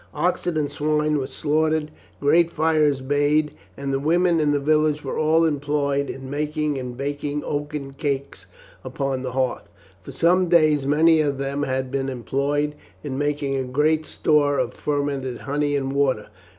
Oxen and swine were slaughtered, great fires made, and the women in the village were all employed in making and baking oaten cakes upon the hearth. For some days many of them had been employed in making a great store of fermented honey and water.